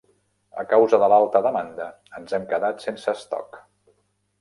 A causa de l'alta demanda, ens hem quedat sense estoc.